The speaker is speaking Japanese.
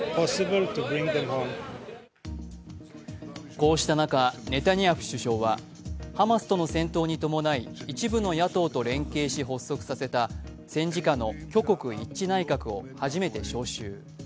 こうした中、ネタニヤフ首相はハマスとの戦闘に伴い一部の野党と連携し発足させた戦時下の挙国一致内閣を初めて招集。